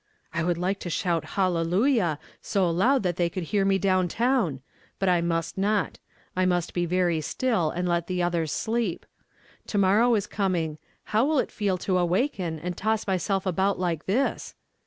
" I would like to shout ' Hallelujah ' I so loud that they could hear me down town ; but I must m 58 YESTERDAY FRAMED IN TO DAY. not ; I must be very still, uiul let tlie others sleep. To morrow is coming. How will it feel to awaken and toss myself about like this